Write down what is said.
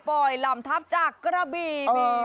ปล่อยหล่ำทัพจากกระบี